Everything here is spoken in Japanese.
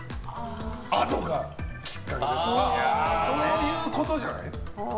Ａｄｏがきっかけとかそういうことじゃない？